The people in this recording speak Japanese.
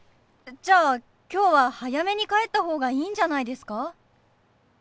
じゃあ今日は早めに帰った方がいいんじゃないですか？